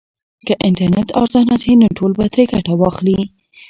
که انټرنیټ ارزانه سي نو ټول به ترې ګټه واخلي.